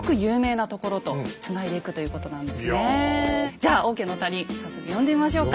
じゃあ王家の谷呼んでみましょうか。